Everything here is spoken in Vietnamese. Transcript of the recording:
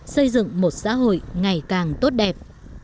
xây dựng một xã hội ngày càng tốt đẹp